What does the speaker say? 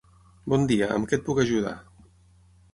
Bon dia, amb què et puc ajudar.